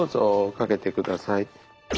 掛けてください。